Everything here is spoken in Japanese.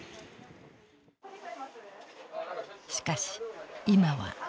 しかし今は。